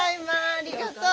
ありがとう。